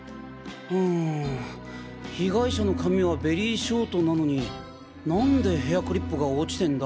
うん被害者の髪はベリーショートなのに何でヘアクリップが落ちてんだ？